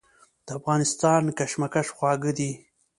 د افغانستان کشمش خواږه دي.